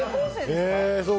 え？